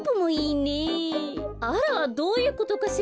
あらどういうことかしら。